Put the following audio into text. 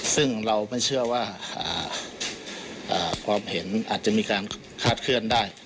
ซึ่งเราไม่เชื่อว่าความเห็นอาจจะมีการคาดเคลื่อนได้